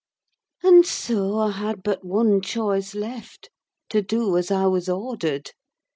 And so I had but one choice left: to do as I was ordered.